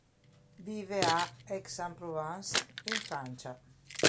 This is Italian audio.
Vive a Aix-en-Provence, in Francia.